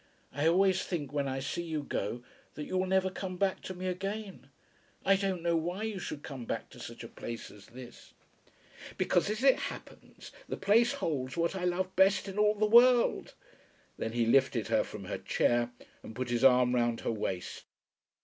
I always think when I see you go that you will never come back to me again. I don't know why you should come back to such a place as this?" "Because, as it happens, the place holds what I love best in all the world." Then he lifted her from her chair, and put his arm round her waist.